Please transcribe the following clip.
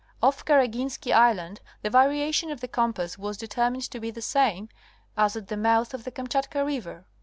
Off Karaginski Island the varia tion of the compass was determined to be the same as at the mouth of the Kamchatka river.